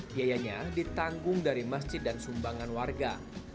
biayanya ditanggung dari masjid dan sumbangan warga